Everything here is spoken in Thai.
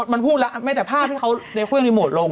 มันพูดแล้วไม่จากพลาดเขาเรียกอะไรลง